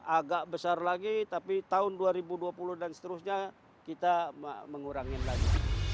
agak besar lagi tapi tahun dua ribu dua puluh dan seterusnya kita mengurangi lagi